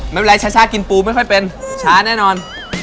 ไม่เป็นไรช้ากินปูไม่ค่อยเป็นช้าแน่นอน